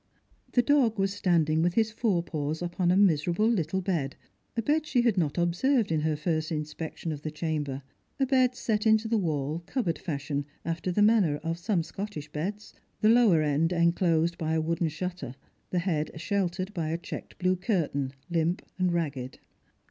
The dog was standing with his forepaws upon a miserable little bed; a bed she had not observed in her first inspection r the chamber ; a bed set into the wall, cupboard fashion, after the manner of some Scottish beds, the lower end inclosed by a wooden shutter, the head sheltered by a checked blue curtain, limp and ragged.